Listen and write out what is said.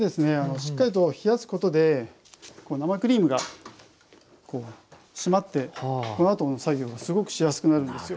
しっかりと冷やすことで生クリームが締まってこのあとの作業がすごくしやすくなるんですよ。